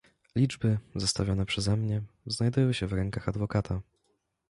"Liczby, zestawione przeze mnie, znajdują się w rękach adwokata."